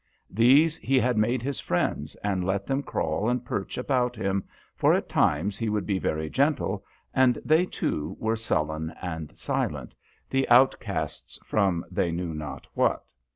These he had made his friends, and let them crawl and perch about him, for at times he would be very gentle, and they too were sullen and silent the outcasts from they knew not what.